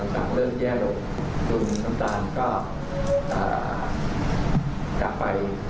จุดน้ำตาลก็กลับไป